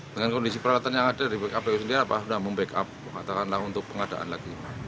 dengan kondisi peralatan yang ada di kpu sendiri apa sudah membackup katakanlah untuk pengadaan lagi